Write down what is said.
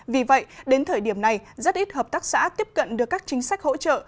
vì vậy đến thời điểm này rất ít hợp tác xã tiếp cận được các chính sách hỗ trợ